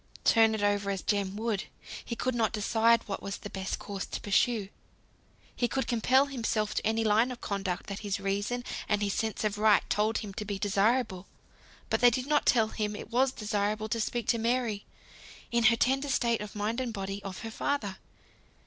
Turn it over as Jem would, he could not decide what was the best course to pursue. He could compel himself to any line of conduct that his reason and his sense of right told him to be desirable; but they did not tell him it was desirable to speak to Mary, in her tender state of mind and body, of her father.